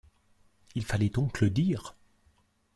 Il fallait donc le dire!